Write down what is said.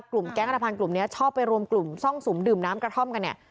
กลุ่มแก๊งอรภัณฑ์กลุ่มนี้ชอบไปรวมกลุ่มซ่องสุมดื่มน้ำกระท่อมกัน